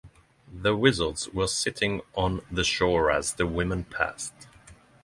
The wizards were sitting on the shore as the women passed.